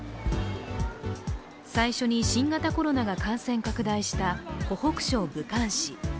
最初に新型コロナが感染拡大した、湖北省武漢市。